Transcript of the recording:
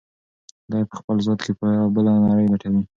دی په خپل ذات کې یوه بله نړۍ لټوي.